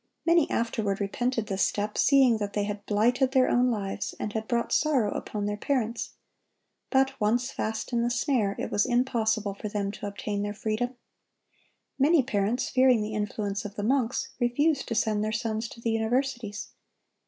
Many afterward repented this step, seeing that they had blighted their own lives, and had brought sorrow upon their parents; but once fast in the snare, it was impossible for them to obtain their freedom. Many parents, fearing the influence of the monks, refused to send their sons to the universities.